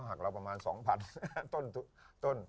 หากเราประมาณ๒๐๐๐บาทต้น